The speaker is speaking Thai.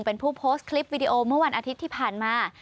เป็นผู้โพสต์คลิปวิดีโอเมื่อวันอาทิตย์ที่ผ่านมา